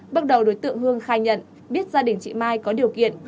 bước đầu đối tượng hương khai nhận biết gia đình chị mai có điều kiện